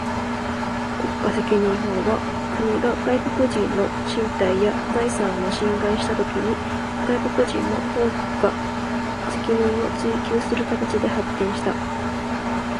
国家責任法は、国が外国人の身体や財産を侵害したときに、外国人の本国が責任を追求する形で発展した。